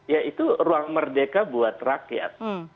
ya itu ruang merdeka buat rakyat